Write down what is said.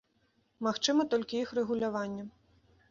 Магчыма толькі іх рэгуляванне.